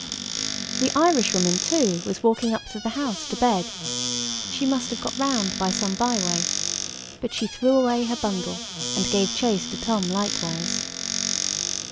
The Irishwoman, too, was walking up to the house to beg,—she must have got round by some byway—but she threw away her bundle, and gave chase to Tom likewise.